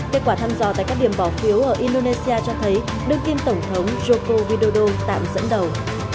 kết quả thăm dò tại các điểm bỏ phiếu ở indonesia cho thấy đương kim tổng thống joko widodo tạm dẫn đầu